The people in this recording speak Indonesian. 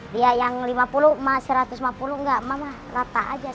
dia yang lima puluh emak satu ratus lima puluh enggak emak emak rata aja seratus seratus